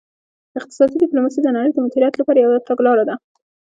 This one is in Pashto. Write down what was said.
اقتصادي ډیپلوماسي د نړۍ د مدیریت لپاره یوه تګلاره ده